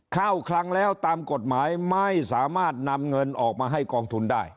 คลังแล้วตามกฎหมายไม่สามารถนำเงินออกมาให้กองทุนได้